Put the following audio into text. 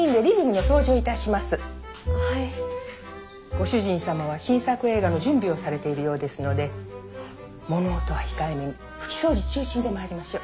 ご主人様は新作映画の準備をされているようですので物音は控えめに拭き掃除中心でまいりましょう。